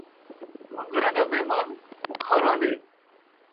ݙو گھراں دا مہمان بکھا رہن٘دے